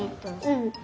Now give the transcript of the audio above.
うん。